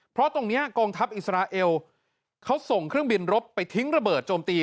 เพราะตรงนี้กองทัพอิสราเอลเขาส่งเครื่องบินรบไปทิ้งระเบิดโจมตี